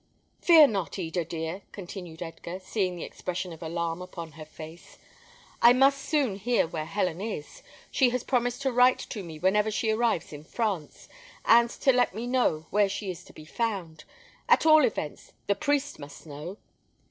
"Fear not, Eda, dear," continued Edgar, seeing the expression of alarm upon her face; "I must soon hear where Helen is. She has promised to write to me whenever she arrives in France, and to let me know where she is to be found. At all events, the priest must know."